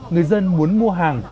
người dân muốn mua hàng